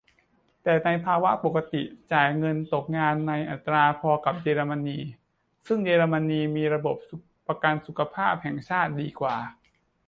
แต่ในภาวะปกติจ่ายเงินตกงานในอัตราพอกับเยอรมนี ซึ่งเยอรมนีมีระบบประกันสุขภาพแห่งชาติดีกว่า